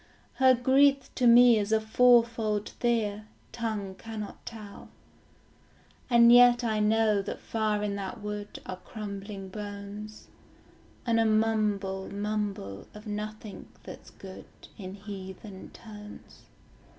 Her grief to me is a fourfold fear, Tongue cannot tell. And yet I know that far in that wood Are crumbling bones, And a mumble mumble of nothing that's good, In heathen tones.